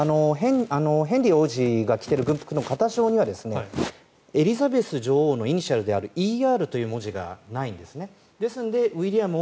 ヘンリー王子が来ている軍服の肩章にはエリザベス女王のイニシャルであるＥＲという文字がないんですね。